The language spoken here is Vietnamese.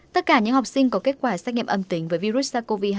tất cả những học sinh có kết quả xét nghiệm âm tính với virus sars cov hai